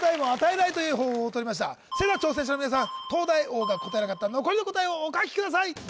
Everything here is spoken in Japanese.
それでは挑戦者の皆さん東大王が答えなかった残りの答えをお書きください